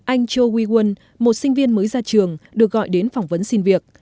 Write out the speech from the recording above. anh joe wiegund một sinh viên mới ra trường được gọi đến phỏng vấn xin việc